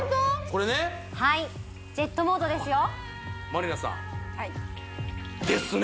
これねはいジェットモードですよ